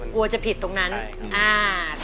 กลัวจะผิดตรงนั้นใช่ครับ